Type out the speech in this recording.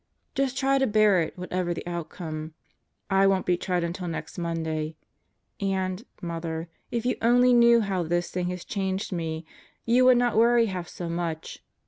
Just try to bear it, whatever the outcome. I won't be tried until next Monday. And, Mother, if you only knew how this thing has changed me, you would not worry half so much.